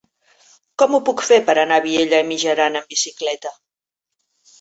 Com ho puc fer per anar a Vielha e Mijaran amb bicicleta?